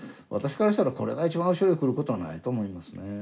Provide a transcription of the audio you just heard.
私からしたらこれが一番後ろへくることはないと思いますね。